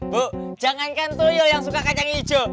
bu jangankan toyo yang suka kacang hijau